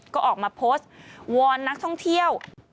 ก็ออกมาโพสต์วอนนักท่องเที่ยว